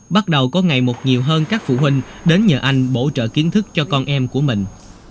bắt đầu có ngày một nhiều hơn các phụ huynh đến nhờ anh bổ trợ kiến thức cho con em của mình